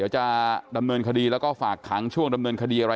๒จาก๓หลังด้วยนะฮะ